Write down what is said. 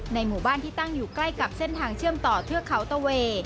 หมู่บ้านที่ตั้งอยู่ใกล้กับเส้นทางเชื่อมต่อเทือกเขาตะเว